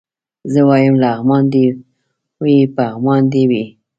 زه وايم لغمان دي وي پغمان دي وي